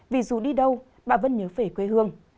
vì dù đi đâu bạn vẫn nhớ về quê hương